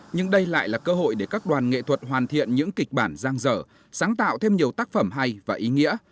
nhưng đây lại là cơ hội để các đoàn nghệ thuật hoàn thiện những kịch bản giang dở sáng tạo thêm nhiều tác phẩm hay và ý nghĩa